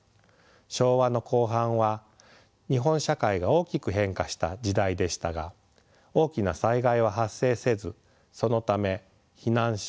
昭和の後半は日本社会が大きく変化した時代でしたが大きな災害は発生せずそのため避難所